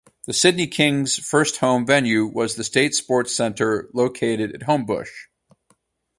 The Sydney Kings' first home venue was the State Sports Centre located at Homebush.